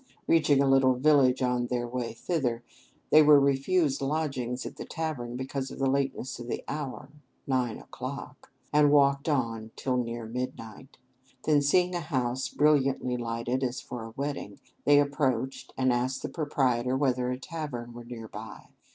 Reaching a little village on their way thither, they were refused lodgings at the tavern because of the lateness of the hour, nine o'clock! and walked on till near midnight. Then seeing a house brilliantly lighted, as for a wedding, they approached, and asked the proprietor whether a tavern were near by.